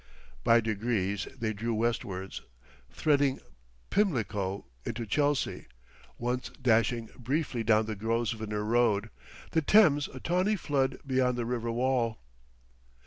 By degrees they drew westwards, threading Pimlico, into Chelsea once dashing briefly down the Grosvenor Road, the Thames a tawny flood beyond the river wall.